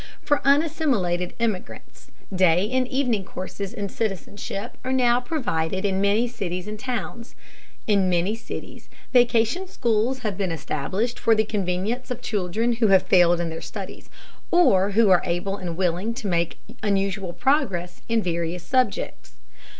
For unassimilated immigrants, day and evening courses in citizenship are now provided in many cities and towns. In many cities vacation schools have been established for the convenience of children who have failed in their studies, or who are able and willing to make unusual progress in various subjects.